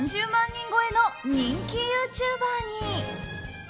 人超えの人気ユーチューバーに。